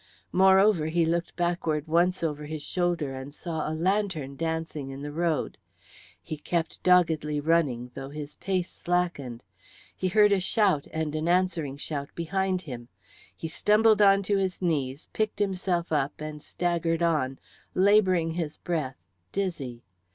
Moreover, he looked backwards once over his shoulder and saw a lantern dancing in the road. He kept doggedly running, though his pace slackened; he heard a shout and an answering shout behind him. He stumbled onto his knees, picked himself up, and staggered on, labouring his breath, dizzy.